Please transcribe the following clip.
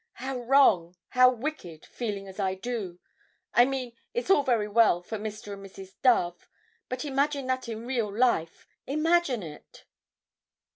"How wrong, how wicked, feeling as I do. I mean, it's all very well for Mr. and Mrs. Dove. But imagine that in real life—imagine it!"